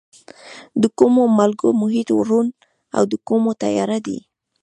د کومو مالګو محیط روڼ او د کومو تیاره دی؟